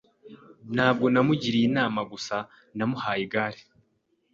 Ntabwo namugiriye inama gusa, namuhaye igare.